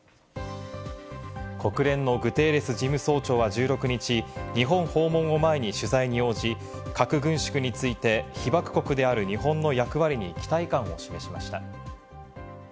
国連のグテーレス事務総長は１６日、日本訪問を前に取材に応じ、核軍縮について被爆国である日本の役割に期待感を示しました。